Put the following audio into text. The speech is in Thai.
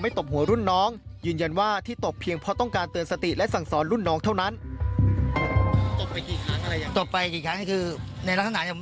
ไม่มีอะไรที่เกิดอะไรกว่านั้นด้วย